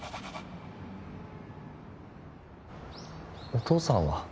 お父さんは？